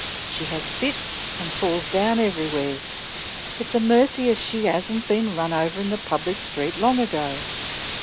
She has fits, an' falls down everywheres; it's a mercy as she 'asn't been run over in the public street long ago.